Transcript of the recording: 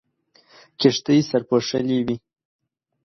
کښتۍ سرپوښلې وې.